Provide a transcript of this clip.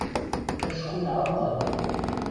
Acku nɛeṭṭel.